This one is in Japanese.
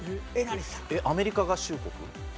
アメリカ合衆国？